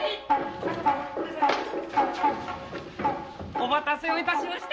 お待たせを致しました。